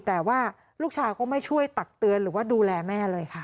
แต่ว่าลูกชายก็ไม่ช่วยตักเตือนหรือว่าดูแลแม่เลยค่ะ